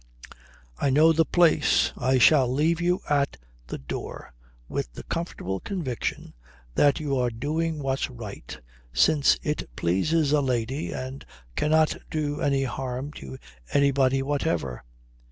"I know the place. I shall leave you at the door with the comfortable conviction that you are doing what's right since it pleases a lady and cannot do any harm to anybody whatever."